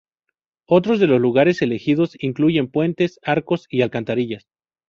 Otros de los lugares elegidos incluyen puentes, arcos y alcantarillas.